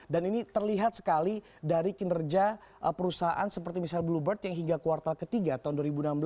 dan ini terlihat sekali dari kinerja perusahaan seperti misalnya bluebird yang hingga kuartal ketiga tahun dua ribu enam belas